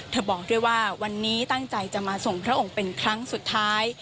บอกด้วยว่าวันนี้ตั้งใจจะมาส่งพระองค์เป็นครั้งสุดท้าย